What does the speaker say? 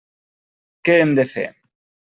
Què hem de fer?